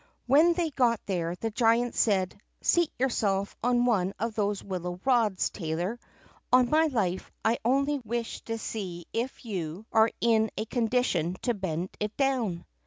When they got there the giant said: "Seat yourself on one of these willow rods, tailor; on my life I only wish to see if you are in a condition to bend it down."